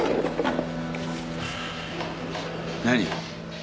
何？